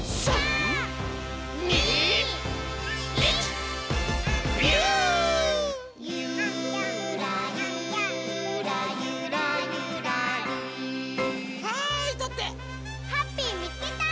ハッピーみつけた！